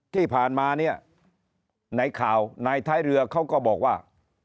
ที่ผ่านมาเนี่ยในข่าวในท้ายเรือเขาก็บอกว่า